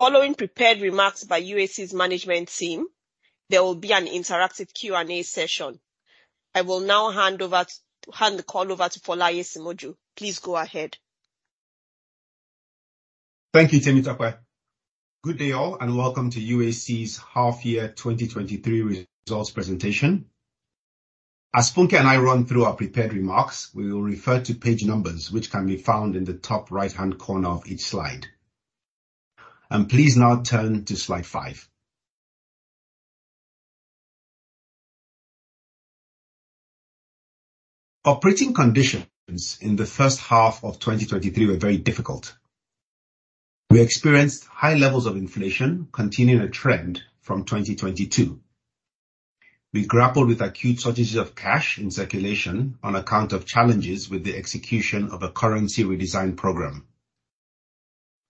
Following prepared remarks by UAC's management team, there will be an interactive Q&A session. I will now hand the call over to Folasope Aiyesimoju. Please go ahead. Thank you, Temitope. Good day, all, and welcome to UAC's half year 2023 results presentation. As Funke and I run through our prepared remarks, we will refer to page numbers which can be found in the top right-hand corner of each slide. Please now turn to slide five. Operating conditions in the first half of 2023 were very difficult. We experienced high levels of inflation, continuing a trend from 2022. We grappled with acute shortages of cash and circulation on account of challenges with the execution of a currency redesign program.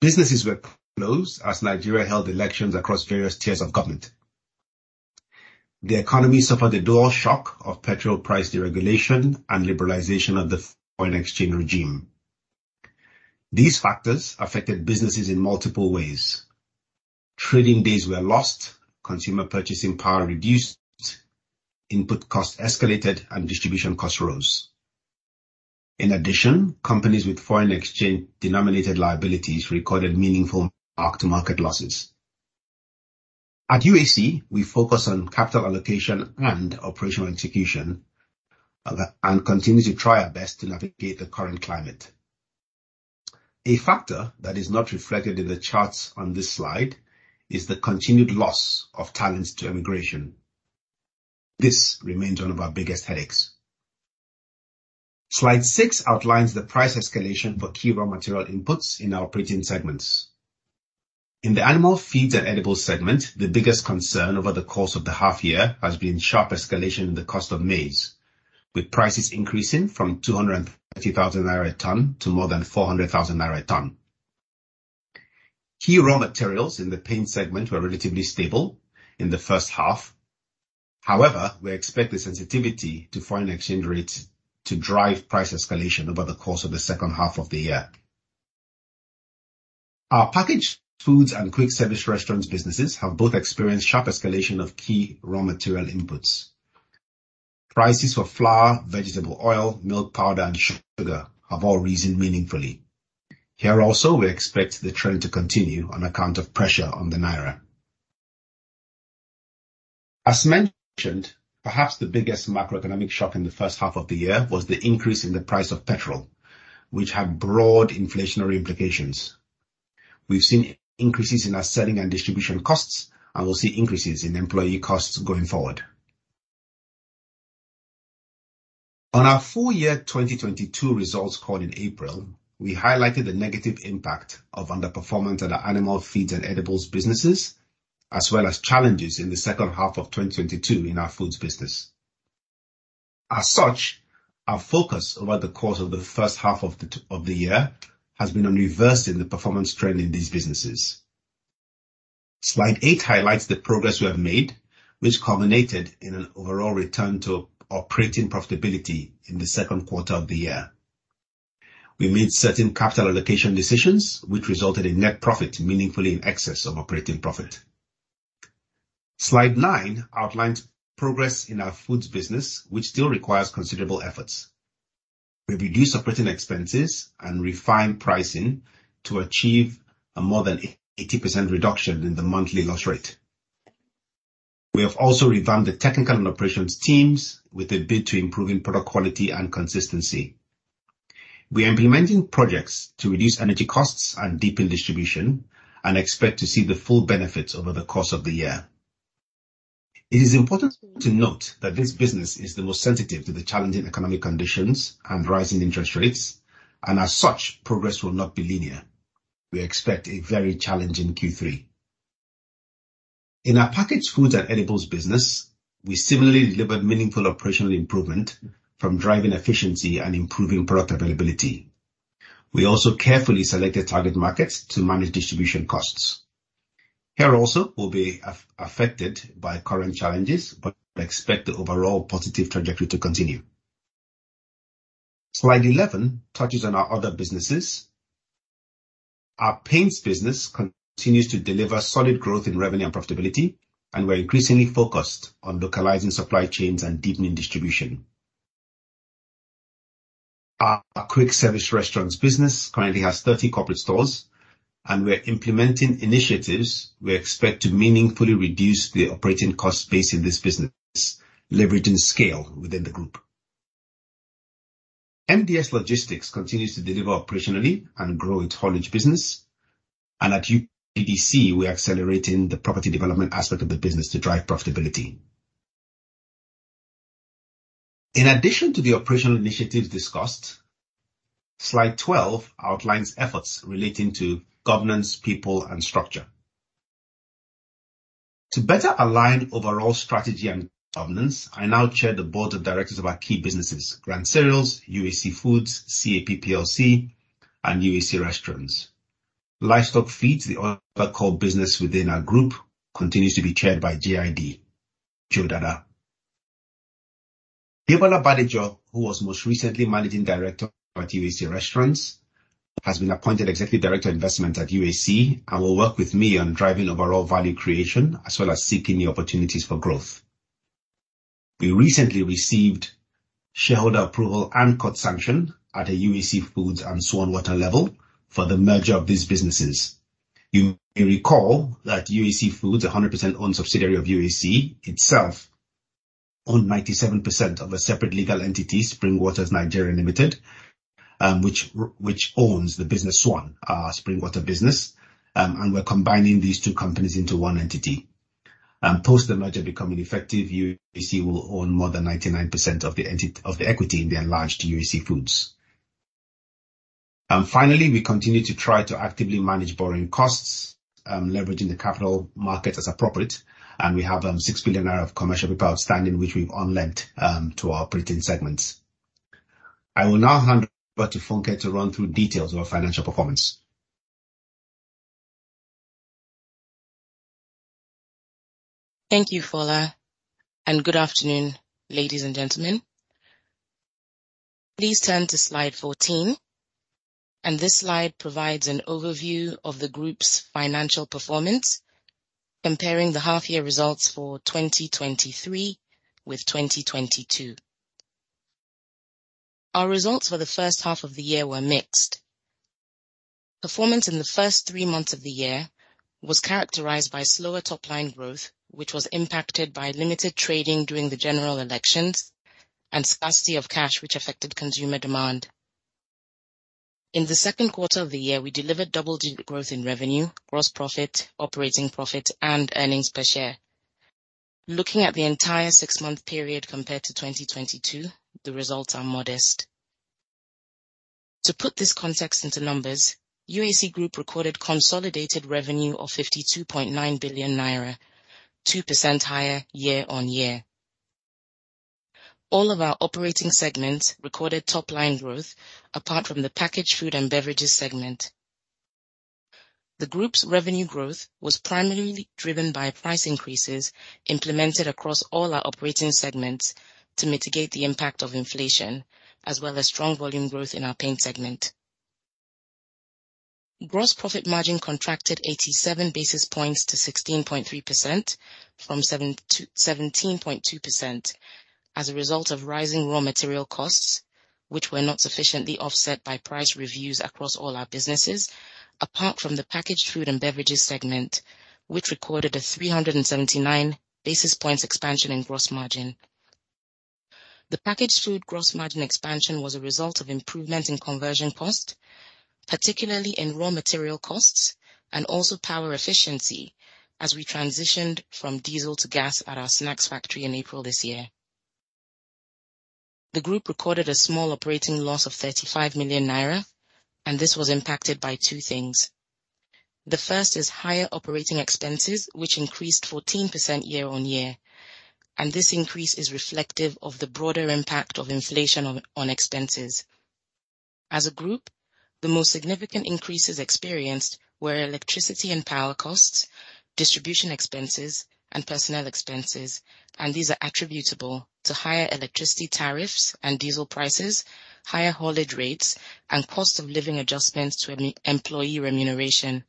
Businesses were closed as Nigeria held elections across various tiers of government. The economy suffered a dual shock of petrol price deregulation and liberalization of the foreign exchange regime. These factors affected businesses in multiple ways. Trading days were lost, consumer purchasing power reduced, input costs escalated, and distribution costs rose. In addition, companies with foreign exchange denominated liabilities recorded meaningful mark-to-market losses. At UAC, we focus on capital allocation and operational execution, and continue to try our best to navigate the current climate. A factor that is not reflected in the charts on this slide is the continued loss of talents to immigration. This remains one of our biggest headaches. Slide six outlines the price escalation for key raw material inputs in our operating segments. In the animal feeds and edibles segment, the biggest concern over the course of the half year has been sharp escalation in the cost of maize, with prices increasing from 250,000 naira a ton to more than 400,000 naira a ton. Key raw materials in the paint segment were relatively stable in the first half. However, we expect the sensitivity to foreign exchange rates to drive price escalation over the course of the second half of the year. Our packaged foods and quick service restaurants businesses have both experienced sharp escalation of key raw material inputs. Prices for flour, vegetable oil, milk powder, and sugar have all risen meaningfully. Here also, we expect the trend to continue on account of pressure on the naira. As mentioned, perhaps the biggest macroeconomic shock in the first half of the year was the increase in the price of petrol, which had broad inflationary implications. We've seen increases in our selling and distribution costs, and we'll see increases in employee costs going forward. On our full year 2022 results call in April, we highlighted the negative impact of underperformance at our animal feeds and edibles businesses, as well as challenges in the second half of 2022 in our foods business. Our focus over the course of the first half of the year has been on reversing the performance trend in these businesses. Slide eight highlights the progress we have made, which culminated in an overall return to operating profitability in the second quarter of the year. We made certain capital allocation decisions, which resulted in net profit meaningfully in excess of operating profit. Slide nine outlines progress in our foods business, which still requires considerable efforts. We reduced operating expenses and refined pricing to achieve a more than 80% reduction in the monthly loss rate. We have also revamped the technical and operations teams with a bid to improving product quality and consistency. We are implementing projects to reduce energy costs and deepen distribution and expect to see the full benefits over the course of the year. It is important to note that this business is the most sensitive to the challenging economic conditions and rising interest rates, and as such, progress will not be linear. We expect a very challenging Q3. In our packaged foods and edibles business, we similarly delivered meaningful operational improvement from driving efficiency and improving product availability. We also carefully selected target markets to manage distribution costs. Here also, we'll be affected by current challenges, but we expect the overall positive trajectory to continue. Slide 11 touches on our other businesses. Our paints business continues to deliver solid growth in revenue and profitability, and we're increasingly focused on localizing supply chains and deepening distribution. Our quick service restaurants business currently has 30 corporate stores, and we're implementing initiatives we expect to meaningfully reduce the operating cost base in this business, leveraging scale within the group. MDS Logistics continues to deliver operationally and grow its haulage business. At UPDC, we're accelerating the property development aspect of the business to drive profitability. In addition to the operational initiatives discussed, Slide 12 outlines efforts relating to governance, people, and structure. To better align overall strategy and governance, I now chair the board of directors of our key businesses, Grand Cereals, UAC Foods, CAP Plc, and UAC Restaurants. Livestock Feeds, the other core business within our group, continues to be chaired by J.I.D., Joe Dada. Debola Badejo, who was most recently Managing Director at UAC Restaurants, has been appointed Executive Director, Investment at UAC and will work with me on driving overall value creation, as well as seeking new opportunities for growth. We recently received shareholder approval and court sanction at a UAC Foods and Swan Water level for the merger of these businesses. You may recall that UAC Foods, a 100% owned subsidiary of UAC itself, owned 97% of a separate legal entity, Spring Waters Nigeria Limited, which owns the business Swan, our spring water business. We're combining these two companies into one entity. Post the merger becoming effective, UAC will own more than 99% of the equity in the enlarged UAC Foods. Finally, we continue to try to actively manage borrowing costs, leveraging the capital market as appropriate. We have 6 billion of commercial paper outstanding, which we've on-lent to our operating segments. I will now hand over to Funke to run through details of our financial performance. Thank you, Fola, and good afternoon, ladies and gentlemen. Please turn to slide 14. This slide provides an overview of the group's financial performance, comparing the half year results for 2023 with 2022. Our results for the first half of the year were mixed. Performance in the first three months of the year was characterized by slower top-line growth, which was impacted by limited trading during the general elections and scarcity of cash, which affected consumer demand. In the second quarter of the year, we delivered double-digit growth in revenue, gross profit, operating profit, and earnings per share. Looking at the entire six-month period compared to 2022, the results are modest. To put this context into numbers, UAC Group recorded consolidated revenue of 52.9 billion naira, 2% higher year-on-year. All of our operating segments recorded top-line growth apart from the packaged food and beverages segment. The group's revenue growth was primarily driven by price increases implemented across all our operating segments to mitigate the impact of inflation, as well as strong volume growth in our paint segment. Gross profit margin contracted 87 basis points to 16.3% from 17.2% as a result of rising raw material costs, which were not sufficiently offset by price reviews across all our businesses, apart from the packaged food and beverages segment, which recorded a 379 basis points expansion in gross margin. The packaged food gross margin expansion was a result of improvement in conversion cost, particularly in raw material costs and also power efficiency as we transitioned from diesel to gas at our snacks factory in April this year. The group recorded a small operating loss of 35 million naira. This was impacted by two things. The first is higher operating expenses, which increased 14% year-on-year. This increase is reflective of the broader impact of inflation on expenses. As a group, the most significant increases experienced were electricity and power costs, distribution expenses, and personnel expenses. These are attributable to higher electricity tariffs and diesel prices, higher haulage rates, and cost of living adjustments to employee remuneration.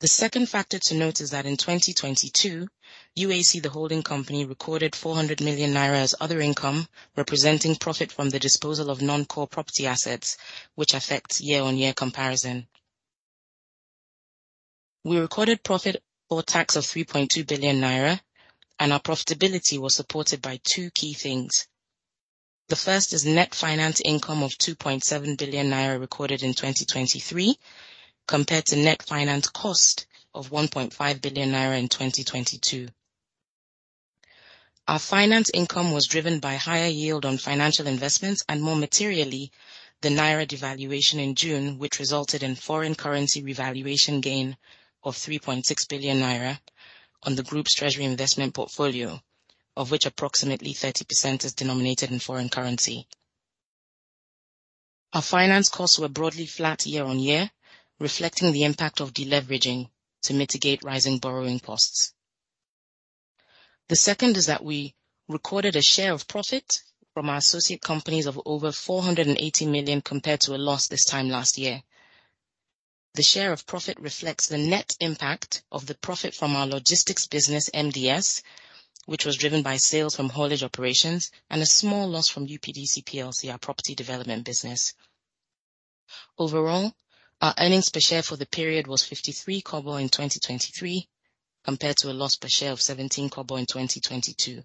The second factor to note is that in 2022, UAC, the holding company, recorded 400 million naira as other income, representing profit from the disposal of non-core property assets, which affects year-on-year comparison. We recorded profit before tax of 3.2 billion naira. Our profitability was supported by two key things. The first is net finance income of 2.7 billion naira recorded in 2023 compared to net finance cost of 1.5 billion naira in 2022. Our finance income was driven by higher yield on financial investments and, more materially, the naira devaluation in June, which resulted in foreign currency revaluation gain of 3.6 billion naira on the group's treasury investment portfolio, of which approximately 30% is denominated in foreign currency. Our finance costs were broadly flat year-on-year, reflecting the impact of deleveraging to mitigate rising borrowing costs. The second is that we recorded a share of profit from our associate companies of over 480 million compared to a loss this time last year. The share of profit reflects the net impact of the profit from our logistics business, MDS, which was driven by sales from haulage operations and a small loss from UPDC Plc, our property development business. Overall, our earnings per share for the period was 0.53 in 2023 compared to a loss per share of 0.17 in 2022.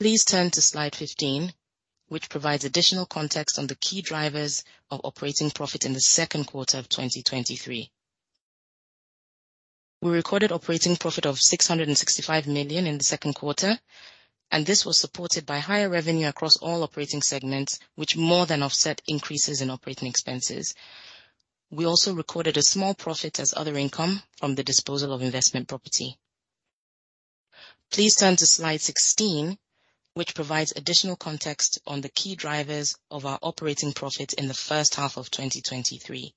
Please turn to slide 15, which provides additional context on the key drivers of operating profit in the second quarter of 2023. We recorded operating profit of 665 million in the second quarter. This was supported by higher revenue across all operating segments, which more than offset increases in operating expenses. We also recorded a small profit as other income from the disposal of investment property. Please turn to slide 16, which provides additional context on the key drivers of our operating profit in the first half of 2023.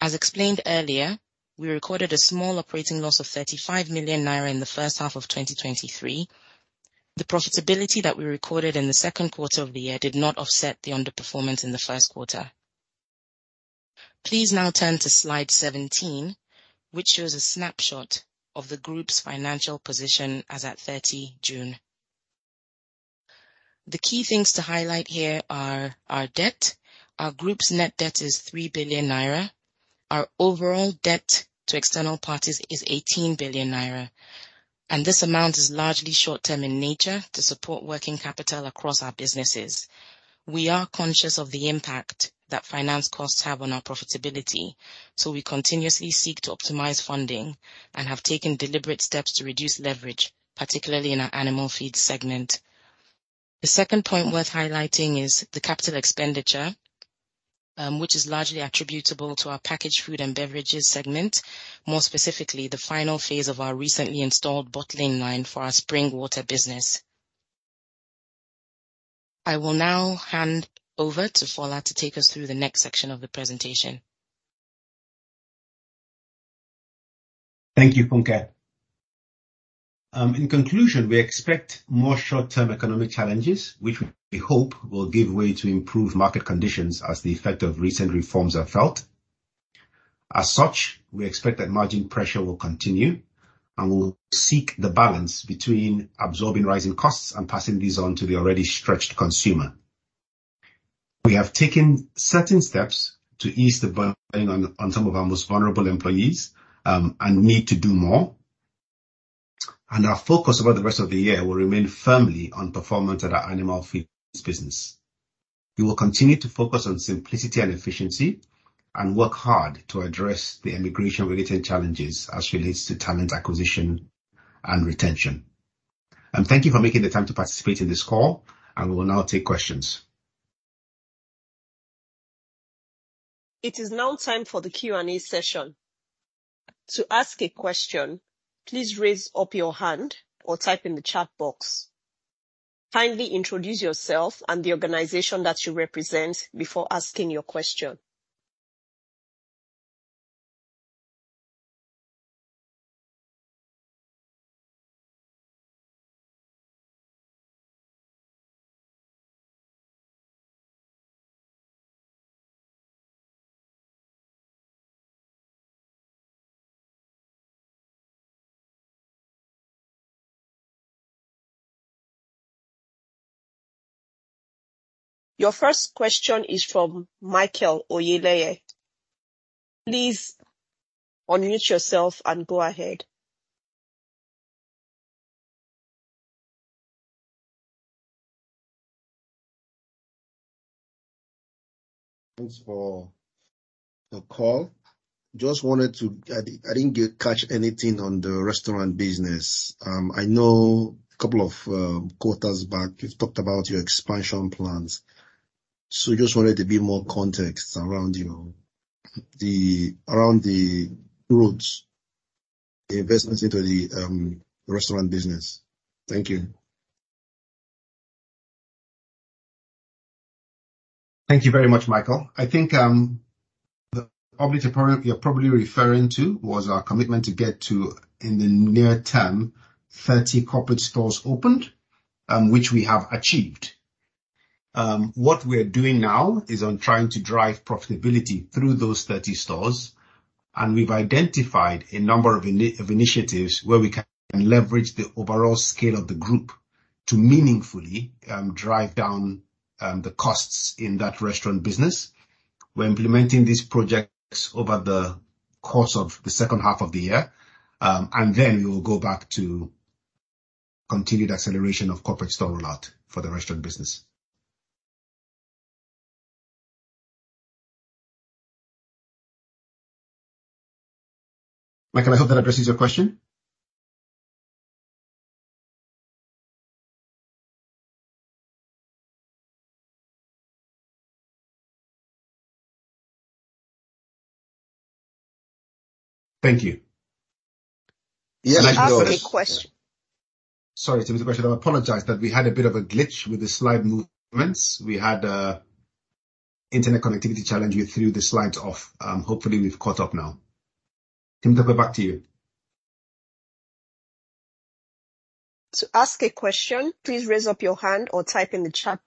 As explained earlier, we recorded a small operating loss of 35 million naira in the first half of 2023. The profitability that we recorded in the second quarter of the year did not offset the underperformance in the first quarter. Please now turn to slide 17, which shows a snapshot of the group's financial position as at 30 June. The key things to highlight here are our debt. Our group's net debt is 3 billion naira. Our overall debt to external parties is 18 billion naira. This amount is largely short-term in nature to support working capital across our businesses. We are conscious of the impact that finance costs have on our profitability. We continuously seek to optimize funding and have taken deliberate steps to reduce leverage, particularly in our animal feed segment. The second point worth highlighting is the capital expenditure, which is largely attributable to our packaged food and beverages segment, more specifically, the final phase of our recently installed bottling line for our spring water business. I will now hand over to Fola to take us through the next section of the presentation. Thank you, Funke. In conclusion, we expect more short-term economic challenges, which we hope will give way to improved market conditions as the effect of recent reforms are felt. As such, we expect that margin pressure will continue. We'll seek the balance between absorbing rising costs and passing these on to the already stretched consumer. We have taken certain steps to ease the burden on some of our most vulnerable employees. We need to do more. Our focus over the rest of the year will remain firmly on performance at our animal feeds business. We will continue to focus on simplicity and efficiency and work hard to address the immigration-related challenges as relates to talent acquisition and retention. Thank you for making the time to participate in this call. We will now take questions. It is now time for the Q&A session. To ask a question, please raise up your hand or type in the chat box. Kindly introduce yourself and the organization that you represent before asking your question. Your first question is from Michael Oyeleke. Please unmute yourself and go ahead. Thanks for the call. I didn't catch anything on the restaurant business. I know a couple of quarters back you've talked about your expansion plans. Just wanted a bit more context around the routes, investments into the restaurant business. Thank you. Thank you very much, Michael. I think you're probably referring to was our commitment to get to, in the near term, 30 corporate stores opened, which we have achieved. What we're doing now is on trying to drive profitability through those 30 stores, and we've identified a number of initiatives where we can leverage the overall scale of the group to meaningfully drive down the costs in that restaurant business. We're implementing these projects over the course of the second half of the year. We will go back to continued acceleration of corporate store rollout for the restaurant business. Michael, I hope that addresses your question. Thank you. Yes, it does. To ask a question- Sorry, to ask a question. I apologize that we had a bit of a glitch with the slide movements. We had an internet connectivity challenge. It threw the slides off. Hopefully, we've caught up now. Temitope, back to you. To ask a question, please raise up your hand or type in the chat.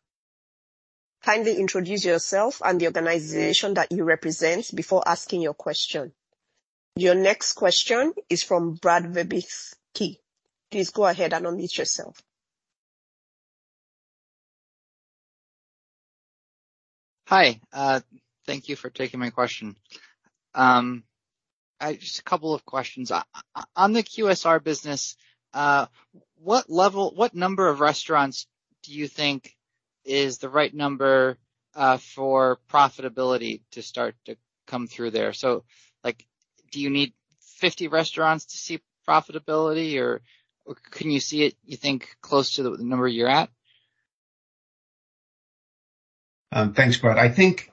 Kindly introduce yourself and the organization that you represent before asking your question. Your next question is from Brad Webiki. Please go ahead and unmute yourself. Hi. Thank you for taking my question. Just a couple of questions. On the QSR business, what number of restaurants do you think is the right number for profitability to start to come through there? Do you need 50 restaurants to see profitability, or can you see it, you think, close to the number you're at? Thanks, Brad. I think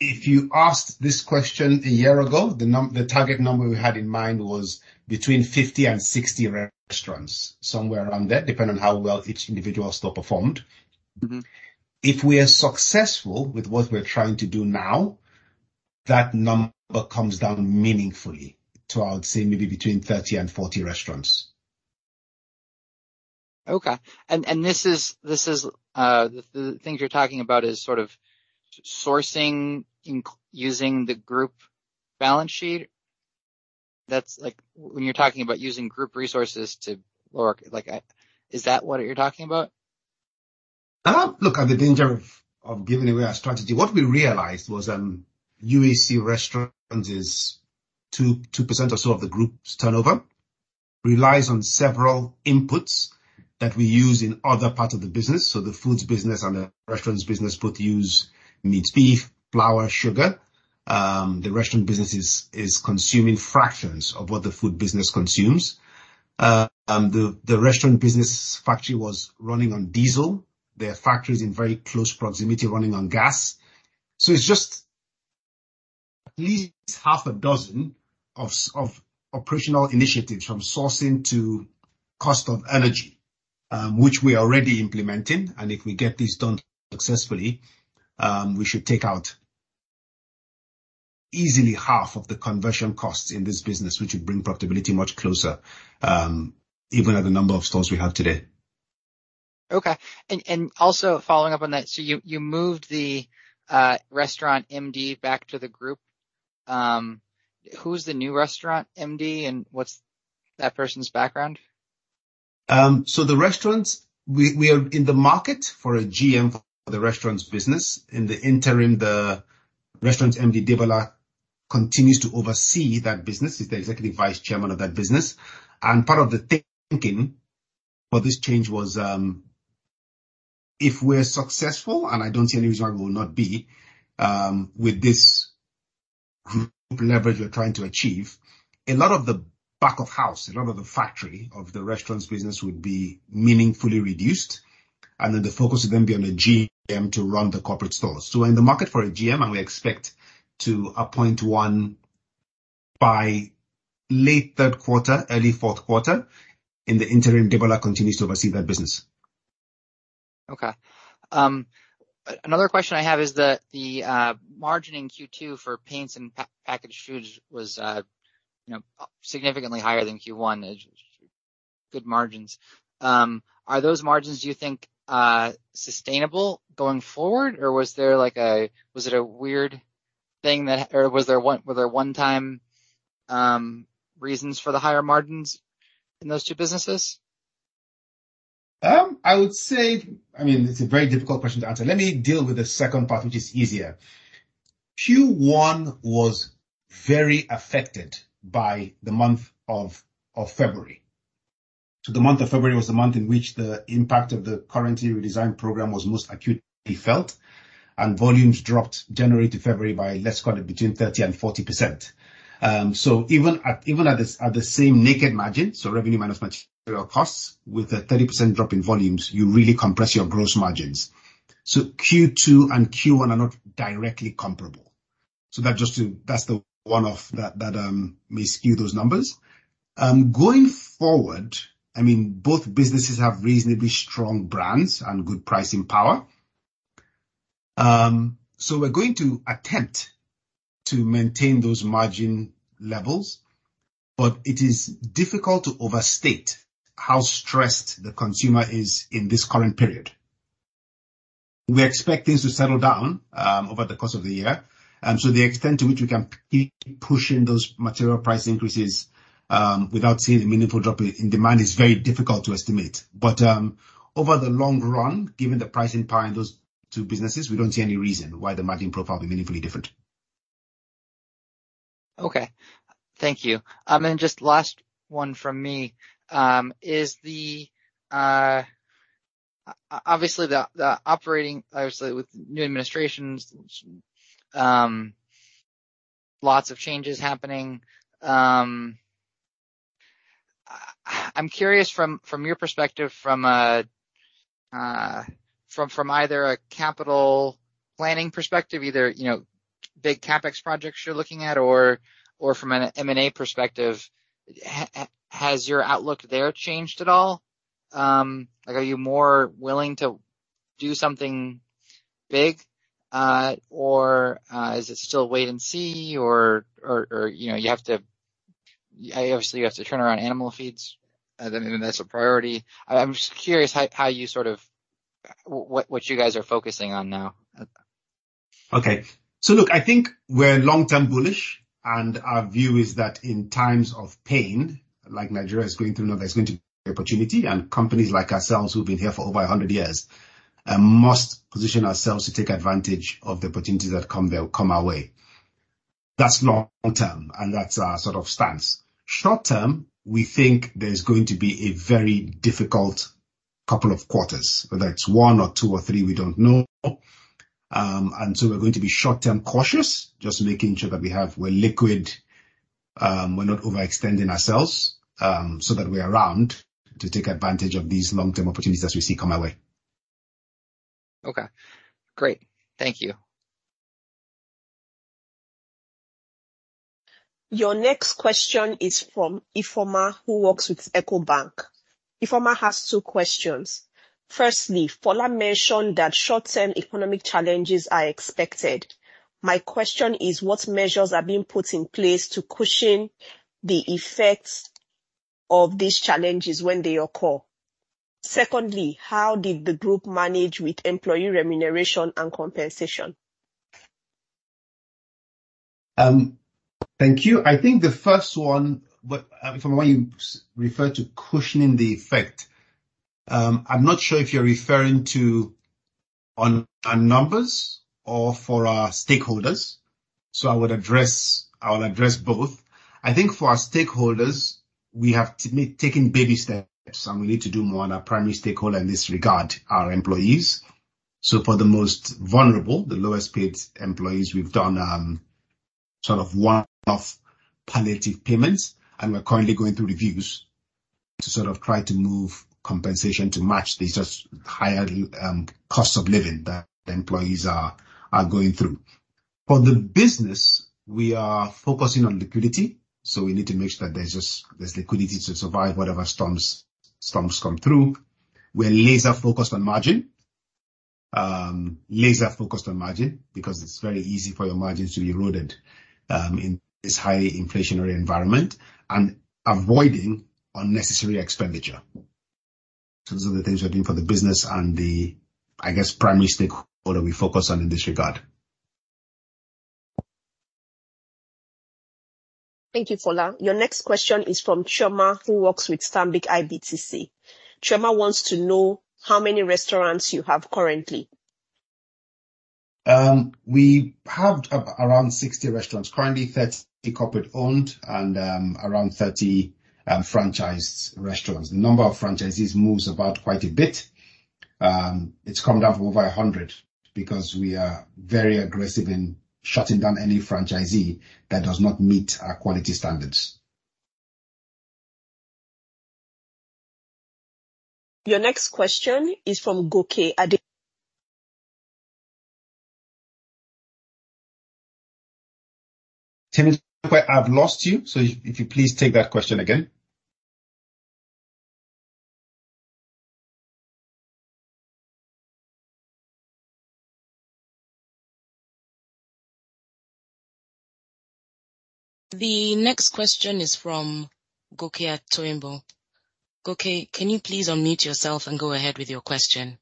if you asked this question a year ago, the target number we had in mind was between 50 and 60 restaurants. Somewhere around there, depending on how well each individual store performed. If we are successful with what we're trying to do now, that number comes down meaningfully to, I would say, maybe between 30 and 40 restaurants. Okay. The things you're talking about is sort of sourcing, using the group balance sheet? When you're talking about using group resources to lower, is that what you're talking about? Look, at the danger of giving away our strategy, what we realized was UAC Restaurants is 2% or so of the group's turnover, relies on several inputs that we use in other parts of the business. The foods business and the restaurants business both use meat, beef, flour, sugar. The restaurant business is consuming fractions of what the food business consumes. The restaurant business factory was running on diesel. There are factories in very close proximity running on gas. It's just at least half a dozen of operational initiatives, from sourcing to cost of energy, which we are already implementing. If we get this done successfully, we should take out easily half of the conversion costs in this business, which would bring profitability much closer, even at the number of stores we have today. Okay. Also following up on that, you moved the restaurant MD back to the group. Who's the new restaurant MD and what's that person's background? The restaurants, we are in the market for a GM for the restaurants business. In the interim, the restaurants MD, Debola, continues to oversee that business. He's the Executive Vice Chairman of that business. Part of the thinking for this change was, if we're successful, and I don't see any reason why we will not be, with this group leverage we're trying to achieve, a lot of the back of house, a lot of the factory of the restaurants business would be meaningfully reduced. Then the focus would then be on a GM to run the corporate stores. We're in the market for a GM, and we expect to appoint one by late third quarter, early fourth quarter. In the interim, Debola continues to oversee that business. Okay. Another question I have is that the margin in Q2 for paints and packaged foods was significantly higher than Q1. It was good margins. Are those margins, do you think, sustainable going forward? Were there one-time reasons for the higher margins in those two businesses? I would say, it's a very difficult question to answer. Let me deal with the second part, which is easier. Q1 was very affected by the month of February. The month of February was the month in which the impact of the currency redesign program was most acutely felt, and volumes dropped January to February by, let's call it between 30% and 40%. Even at the same naked margin, revenue minus material costs with a 30% drop in volumes, you really compress your gross margins. Q2 and Q1 are not directly comparable. That's the one off that may skew those numbers. Going forward, both businesses have reasonably strong brands and good pricing power. We're going to attempt to maintain those margin levels. It is difficult to overstate how stressed the consumer is in this current period. We expect things to settle down over the course of the year, so the extent to which we can keep pushing those material price increases, without seeing a meaningful drop in demand, is very difficult to estimate. Over the long run, given the pricing power in those two businesses, we don't see any reason why the margin profile will be meaningfully different. Okay. Thank you. Just last one from me. Obviously, with new administrations, lots of changes happening. I'm curious from your perspective, from either a capital planning perspective, either big CapEx projects you're looking at or from an M&A perspective, has your outlook there changed at all? Are you more willing to do something big? Is it still wait and see? You have to turn around animal feeds, and that's a priority. I'm just curious what you guys are focusing on now. Okay. Look, I think we're long-term bullish, and our view is that in times of pain, like Nigeria is going through now, there's going to be opportunity. Companies like ourselves who've been here for over 100 years must position ourselves to take advantage of the opportunities that come our way. That's long term, and that's our sort of stance. Short term, we think there's going to be a very difficult couple of quarters, whether it's one or two or three, we don't know. We're going to be short term cautious, just making sure that we're liquid, we're not overextending ourselves, so that we're around to take advantage of these long-term opportunities as we see come our way. Okay. Great. Thank you. Your next question is from Ifeoma, who works with Ecobank. Ifeoma has two questions. Firstly, Fola mentioned that short-term economic challenges are expected. My question is, what measures are being put in place to cushion the effects of these challenges when they occur? Secondly, how did the group manage with employee remuneration and compensation? Thank you. I think the first one, Ifeoma, when you refer to cushioning the effect, I'm not sure if you're referring to on our numbers or for our stakeholders. I would address both. I think for our stakeholders, we have to be taking baby steps, and we need to do more on our primary stakeholder in this regard, our employees. For the most vulnerable, the lowest-paid employees, we've done one-off palliative payments, and we're currently going through reviews to try to move compensation to match this higher cost of living that employees are going through. For the business, we are focusing on liquidity. We need to make sure that there's liquidity to survive whatever storms come through. We are laser-focused on margin. Laser-focused on margin because it's very easy for your margins to be eroded, in this high inflationary environment and avoiding unnecessary expenditure. Those are the things we're doing for the business and the primary stakeholder we focus on in this regard. Thank you, Fola. Your next question is from Chioma, who works with Stanbic IBTC. Chioma wants to know how many restaurants you have currently. We have around 60 restaurants currently, 30 corporate-owned and around 30 franchised restaurants. The number of franchisees moves about quite a bit. It's come down from over 100 because we are very aggressive in shutting down any franchisee that does not meet our quality standards. Your next question is from Goke. Temitope, I've lost you. If you please take that question again. The next question is from Goke Atoyimbo. Goke, can you please unmute yourself and go ahead with your question?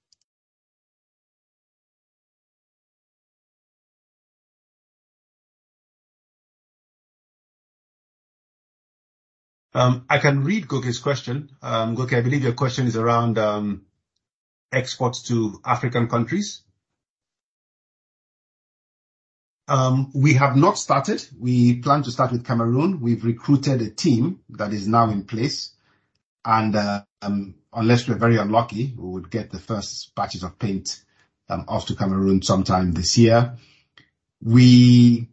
I can read Goke's question. Goke, I believe your question is around exports to African countries. We have not started. We plan to start with Cameroon. We've recruited a team that is now in place. Unless we're very unlucky, we would get the first batches of paint off to Cameroon sometime this year. We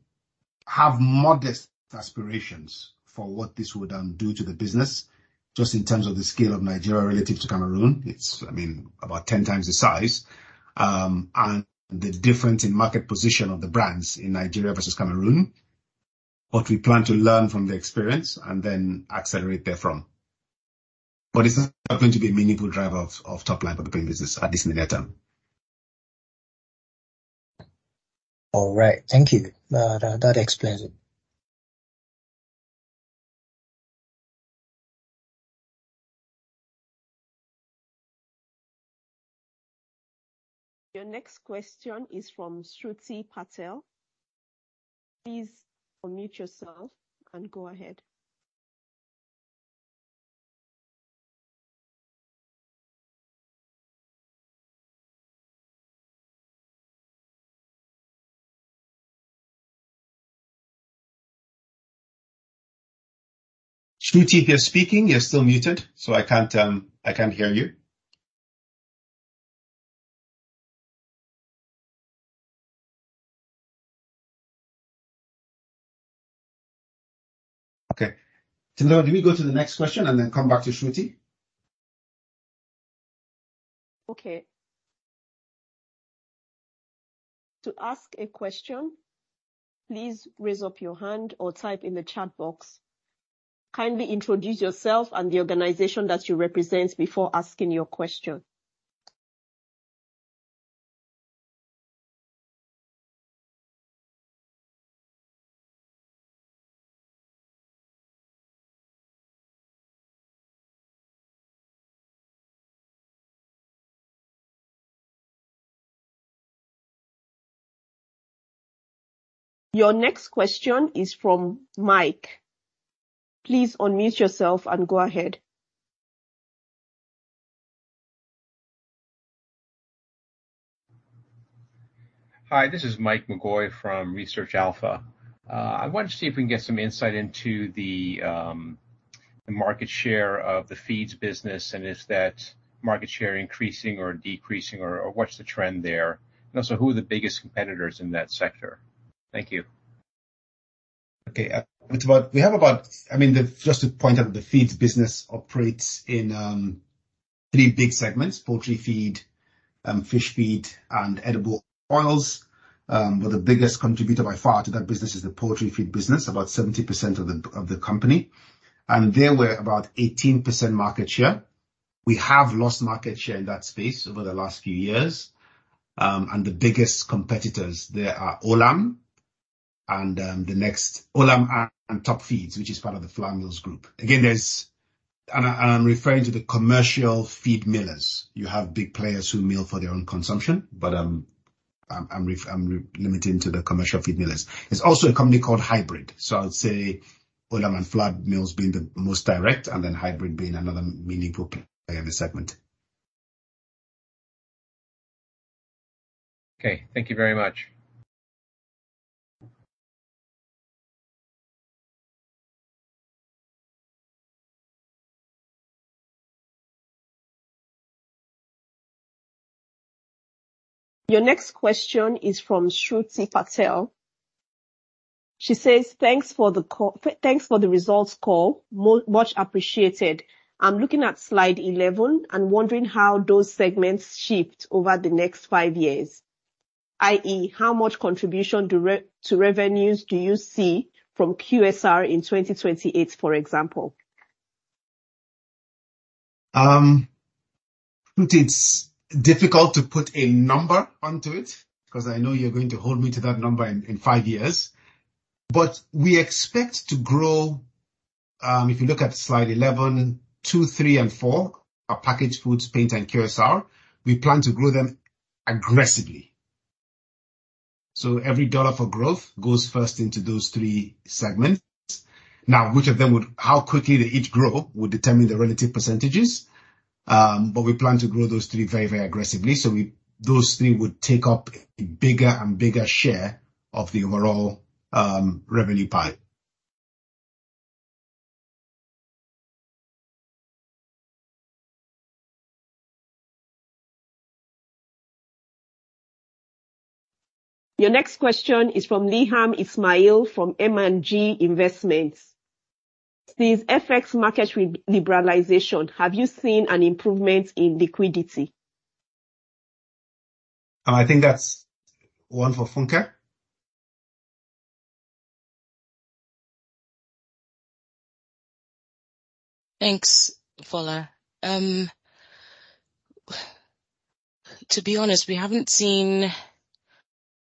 have modest aspirations for what this would then do to the business, just in terms of the scale of Nigeria relative to Cameroon. It's about 10 times the size, and the difference in market position of the brands in Nigeria versus Cameroon. We plan to learn from the experience and then accelerate therefrom. It's not going to be a meaningful driver of top line for the paint business at this near term. All right. Thank you. That explains it. Your next question is from Shruti Patel. Please unmute yourself and go ahead. Shruti, you're speaking, you're still muted, so I can't hear you. Okay. Temitope, can we go to the next question and then come back to Shruti? Okay. To ask a question, please raise up your hand or type in the chat box. Kindly introduce yourself and the organization that you represent before asking your question. Your next question is from Mike. Please unmute yourself and go ahead. Hi, this is Mike McGoy from Research Alpha. I wanted to see if we can get some insight into the market share of the feeds business. Is that market share increasing or decreasing or what's the trend there? Also, who are the biggest competitors in that sector? Thank you. Okay. Just to point out, the feeds business operates in 3 big segments, poultry feed, fish feed, and edible oils. The biggest contributor by far to that business is the poultry feed business, about 70% of the company. There we're about 18% market share. We have lost market share in that space over the last few years. The biggest competitors there are Olam and Top Feeds, which is part of the Flour Mills Group. Again, I'm referring to the commercial feed millers. You have big players who mill for their own consumption, but I'm limiting to the commercial feed millers. There's also a company called Hybrid Feeds. I would say Olam and Flour Mills being the most direct, and then Hybrid Feeds being another meaningful player in the segment. Okay. Thank you very much. Your next question is from Shruti Patel. She says: "Thanks for the results call. Much appreciated. I'm looking at slide 11 and wondering how those segments shift over the next 5 years, i.e., how much contribution to revenues do you see from QSR in 2028, for example? Shruti, it's difficult to put a number onto it because I know you're going to hold me to that number in five years. We expect to grow, if you look at slide 11, two, three, and four, are packaged foods, paint, and QSR. We plan to grow them aggressively. Every dollar for growth goes first into those three segments. How quickly they each grow would determine the relative percentages, we plan to grow those three very aggressively. Those three would take up a bigger and bigger share of the overall revenue pie. Your next question is from Lilham Ismail from M&G Investments. "Since FX market liberalization, have you seen an improvement in liquidity? I think that's one for Funke. Thanks, Fola. To be honest, we haven't seen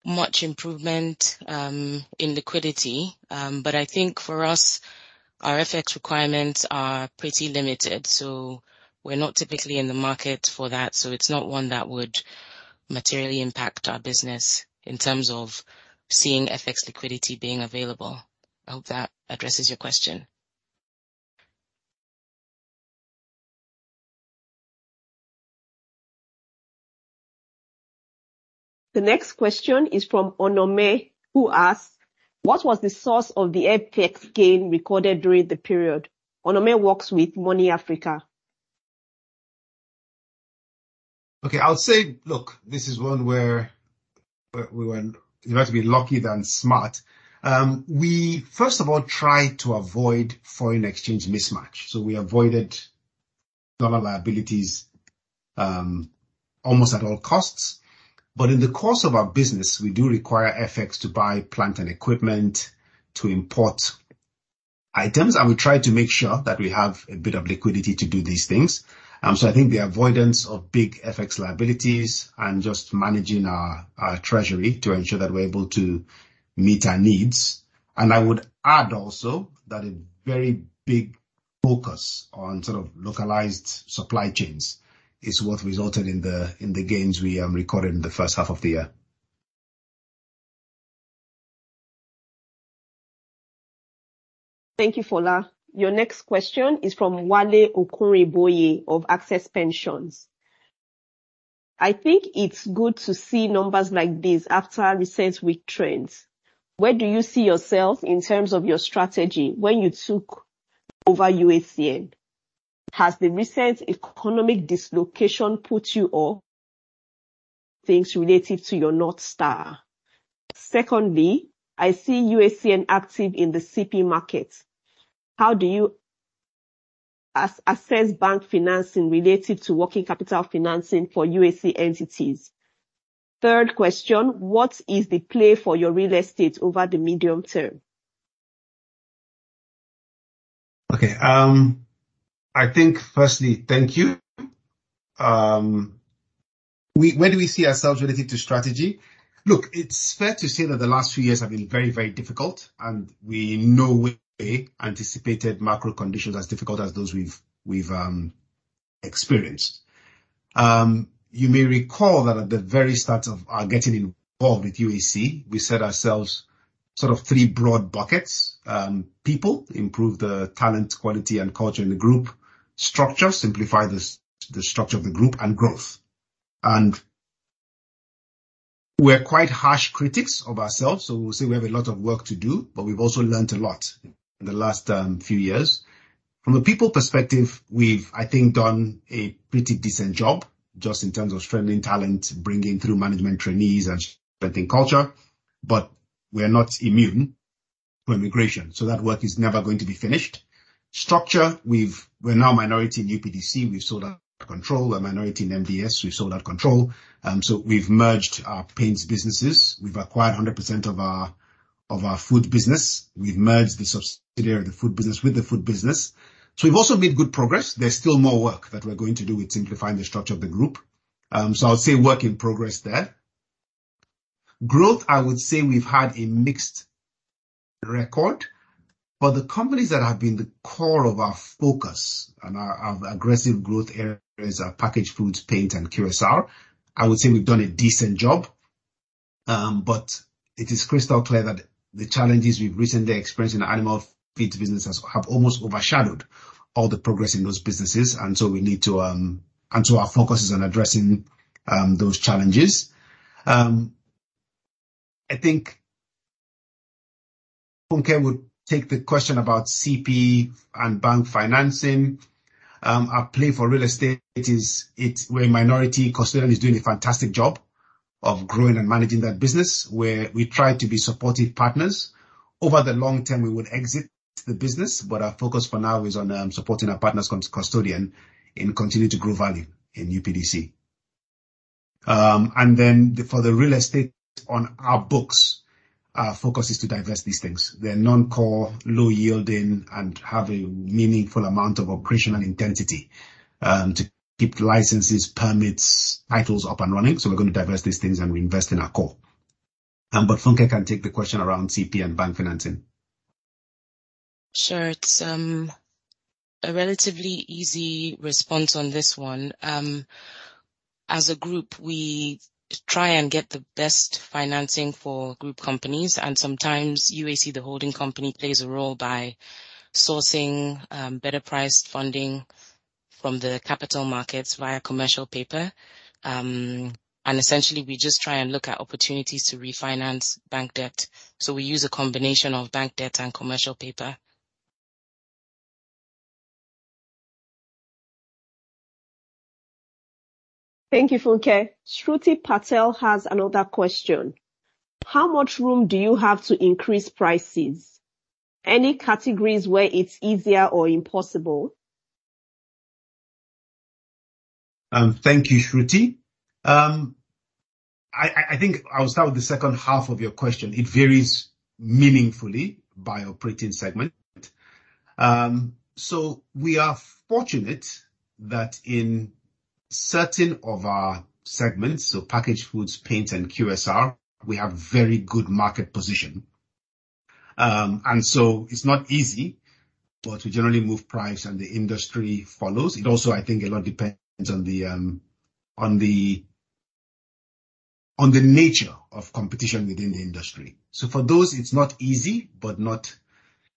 much improvement in liquidity. I think for us, our FX requirements are pretty limited, we're not typically in the market for that, it's not one that would materially impact our business in terms of seeing FX liquidity being available. I hope that addresses your question. The next question is from Onome, who asks, "What was the source of the FX gain recorded during the period?" Onome works with Money Africa. Okay. I'll say, look, this is one where we were better to be lucky than smart. We first of all try to avoid foreign exchange mismatch. We avoided dollar liabilities almost at all costs. In the course of our business, we do require FX to buy plant and equipment to import items. We try to make sure that we have a bit of liquidity to do these things. I think the avoidance of big FX liabilities and just managing our treasury to ensure that we're able to meet our needs. I would add also that a very big focus on localized supply chains is what resulted in the gains we recorded in the first half of the year. Thank you, Fola. Your next question is from Wale Okunrinboye of Access Pensions. "I think it's good to see numbers like this after recent weak trends. Where do you see yourself in terms of your strategy when you took over UACN? Has the recent economic dislocation put you off things relative to your North Star? I see UACN active in the CP market. How do you assess bank financing relative to working capital financing for UAC entities? What is the play for your real estate over the medium term? Okay. I think firstly, thank you. Where do we see ourselves relative to strategy? Look, it's fair to say that the last few years have been very difficult, and we in no way anticipated macro conditions as difficult as those we've experienced. You may recall that at the very start of our getting involved with UAC, we set ourselves three broad buckets. People, improve the talent, quality, and culture in the group. Structure, simplify the structure of the group, and growth. We're quite harsh critics of ourselves, so we'll say we have a lot of work to do, but we've also learnt a lot in the last few years. From the people perspective, we've, I think, done a pretty decent job, just in terms of strengthening talent, bringing through management trainees, and strengthening culture, but we are not immune. That work is never going to be finished. Structure. We're now a minority in UPDC. We've sold out of control. We're a minority in MDS. We've sold out control. We've merged our paints businesses. We've acquired 100% of our food business. We've merged the subsidiary of the food business with the food business. We've also made good progress. There's still more work that we're going to do with simplifying the structure of the group. I would say work in progress there. Growth. I would say we've had a mixed record, but the companies that have been the core of our focus and our aggressive growth areas are packaged foods, paint, and QSR. I would say we've done a decent job, but it is crystal clear that the challenges we've recently experienced in the animal feeds business have almost overshadowed all the progress in those businesses. Our focus is on addressing those challenges. I think Funke would take the question about CP and bank financing. Our play for real estate. We're a minority. Custodian is doing a fantastic job of growing and managing that business, where we try to be supportive partners. Over the long term, we would exit the business, but our focus for now is on supporting our partners, Custodian, and continue to grow value in UPDC. For the real estate on our books, our focus is to divest these things. They're non-core, low yielding, and have a meaningful amount of operational intensity to keep the licenses, permits, titles up and running. We're going to divest these things and reinvest in our core. Funke can take the question around CP and bank financing. Sure. It's a relatively easy response on this one. As a group, we try and get the best financing for group companies. Sometimes UAC, the holding company, plays a role by sourcing better priced funding from the capital markets via commercial paper. Essentially, we just try and look at opportunities to refinance bank debt. We use a combination of bank debt and commercial paper. Thank you, Funke. Shruti Patel has another question. How much room do you have to increase prices? Any categories where it is easier or impossible? Thank you, Shruti. I think I will start with the second half of your question. It varies meaningfully by operating segment. We are fortunate that in certain of our segments, packaged foods, paint, and QSR, we have very good market position. It is not easy, but we generally move price and the industry follows. It also, I think a lot depends on the nature of competition within the industry. For those, it is not easy, but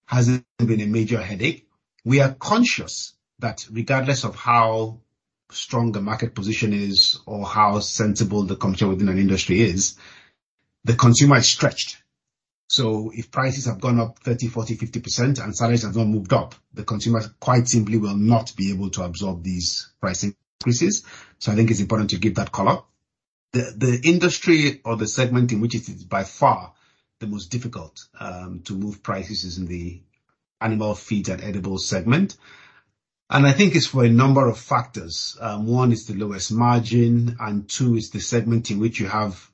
has not been a major headache. We are conscious that regardless of how strong the market position is or how sensible the competition within an industry is, the consumer is stretched. If prices have gone up 30%, 40%, 50% and salaries have not moved up, the consumer quite simply will not be able to absorb these price increases. I think it is important to give that color. The industry or the segment in which it is by far the most difficult to move prices is in the animal feed and edibles segment. I think it is for a number of factors. One is the lowest margin, and two, it is the segment in which you have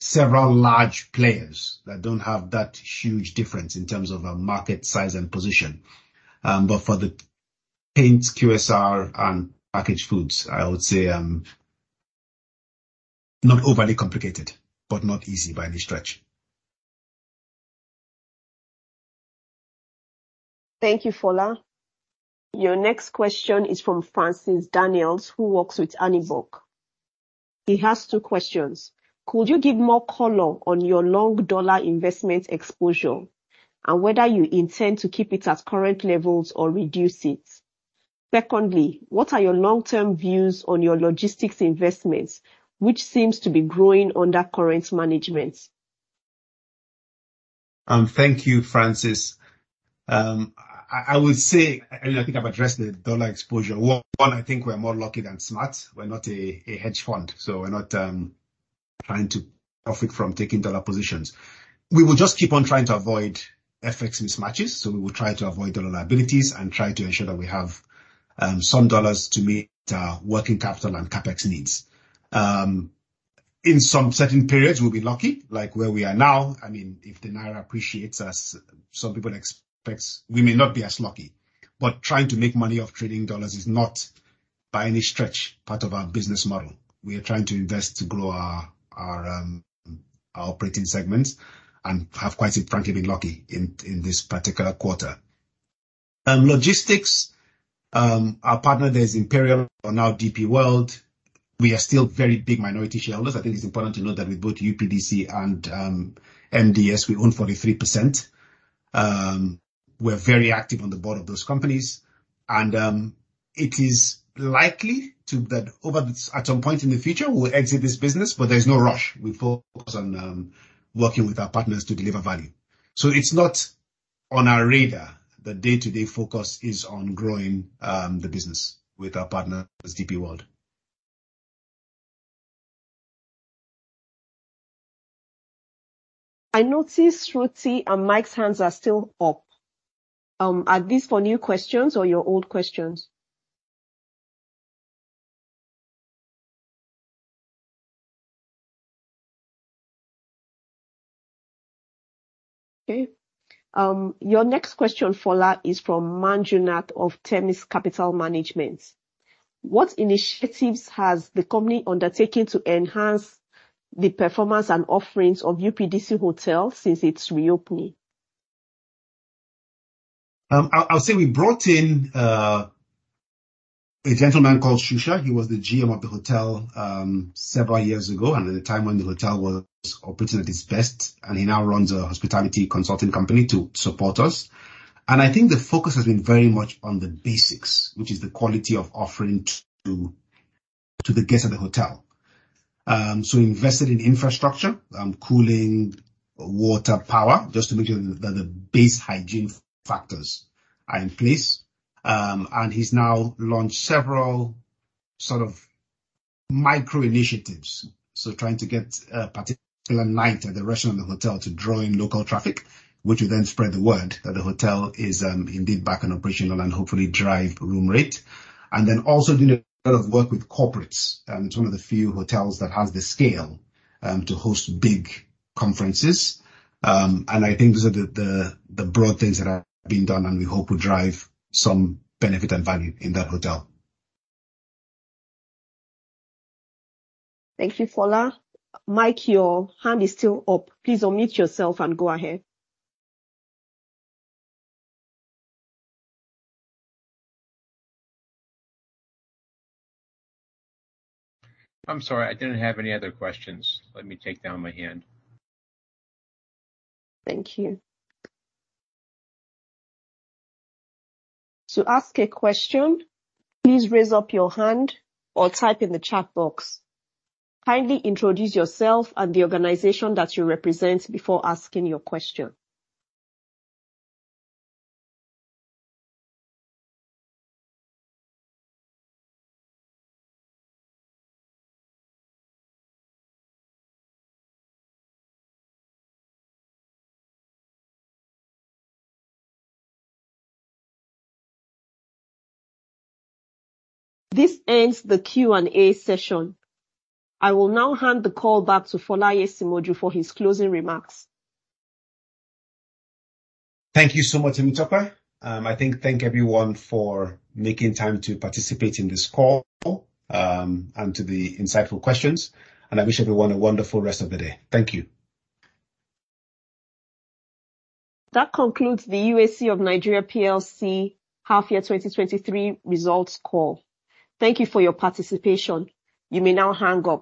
several large players that do not have that huge difference in terms of market size and position. For the paints, QSR, and packaged foods, I would say not overly complicated, but not easy by any stretch. Thank you, Fola. Your next question is from Francis Daniels, who works with Anibok. He has two questions. Could you give more color on your long dollar investment exposure and whether you intend to keep it at current levels or reduce it? Secondly, what are your long-term views on your logistics investments, which seems to be growing under current management? Thank you, Francis. I think I've addressed the dollar exposure. One, I think we're more lucky than smart. We're not a hedge fund, so we're not trying to profit from taking dollar positions. We will just keep on trying to avoid FX mismatches. We will try to avoid dollar liabilities and try to ensure that we have some dollars to meet our working capital and CapEx needs. In some certain periods, we'll be lucky, like where we are now. If the naira appreciates as some people expect, we may not be as lucky. Trying to make money off trading dollars is not, by any stretch, part of our business model. We are trying to invest to grow our operating segments and have, quite frankly, been lucky in this particular quarter. Logistics, our partner, there's Imperial, now DP World. We are still very big minority shareholders. I think it's important to note that with both UPDC and MDS, we own 43%. We're very active on the board of those companies. It is likely that at some point in the future, we will exit this business, but there's no rush. We focus on working with our partners to deliver value. It's not on our radar. The day-to-day focus is on growing the business with our partners, DP World. I notice Shruti and Mike's hands are still up. Are these for new questions or your old questions? Okay. Your next question, Fola, is from Manjunath of Themis Capital Management. What initiatives has the company undertaken to enhance the performance and offerings of UPDC Hotel since its reopening? I'll say we brought in a gentleman called Shuja. He was the GM of the hotel several years ago and at a time when the hotel was operating at its best. He now runs a hospitality consulting company to support us. I think the focus has been very much on the basics, which is the quality of offering to the guests of the hotel. Invested in infrastructure, cooling, water, power, just to make sure that the base hygiene factors are in place. He's now launched several micro initiatives. Trying to get a particular night at the restaurant of the hotel to draw in local traffic, which will then spread the word that the hotel is indeed back and operational and hopefully drive room rate. Then also doing a lot of work with corporates. It's one of the few hotels that has the scale to host big conferences. I think those are the broad things that have been done, and we hope will drive some benefit and value in that hotel. Thank you, Fola. Mike, your hand is still up. Please unmute yourself and go ahead. I'm sorry, I didn't have any other questions. Let me take down my hand. Thank you. To ask a question, please raise up your hand or type in the chat box. Kindly introduce yourself and the organization that you represent before asking your question. This ends the Q&A session. I will now hand the call back to Folasope Aiyesimoju for his closing remarks. Thank you so much, Temitope. Thank everyone for making time to participate in this call, and to the insightful questions. I wish everyone a wonderful rest of the day. Thank you. That concludes the UAC of Nigeria PLC half year 2023 results call. Thank you for your participation. You may now hang up.